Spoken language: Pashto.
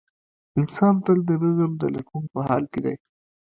انسان تل د نظم د لټون په حال کې دی.